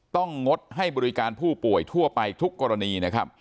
ต้องงดให้บริการผู้ป่วยทั่วไปทุกกรณี